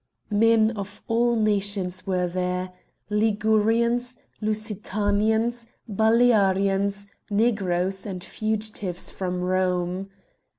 Men of all nations were there, Ligurians, Lusitanians, Balearians, Negroes, and fugitives from Rome.